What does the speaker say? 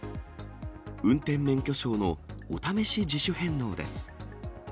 運転免許証のお試し自主返納です。